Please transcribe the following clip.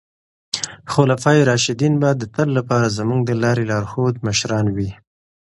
خلفای راشدین به د تل لپاره زموږ د لارې لارښود مشران وي.